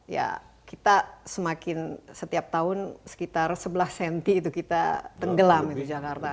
ya kita semakin setiap tahun sekitar sebelas cm itu kita tenggelam itu jakarta